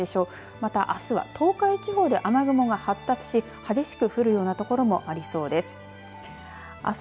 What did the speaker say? またあすは東海地方で雨雲が発達し激しく降るような所もありそうです。